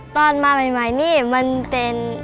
ตอนมาใหม่นี่มันเป็น